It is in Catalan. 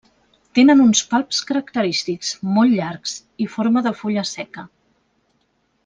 Tenen uns palps característics, molt llargs, i forma de fulla seca.